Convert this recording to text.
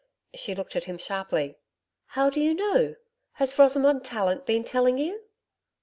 She looked at him sharply. 'How do you know? Has Rosamond Tallant been telling you?'